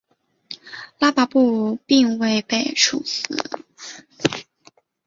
拉跋布并未被处死。